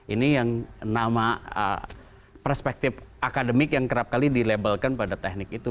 ini yang nama perspektif akademik yang kerap kali di label kan pada teknik itu